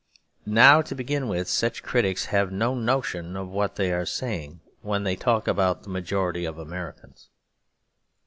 Now to begin with, such critics have no notion of what they are saying when they talk about the majority of Americans.